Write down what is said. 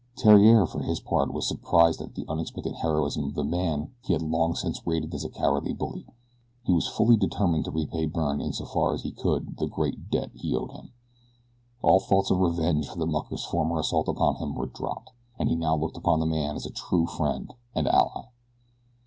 Theriere, for his part, was surprised at the unexpected heroism of the man he had long since rated as a cowardly bully. He was fully determined to repay Byrne in so far as he could the great debt he owed him. All thoughts of revenge for the mucker's former assault upon him were dropped, and he now looked upon the man as a true friend and ally.